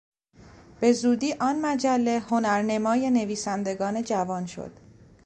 به زودی آن مجله هنرنمای نویسندگان جوان شد.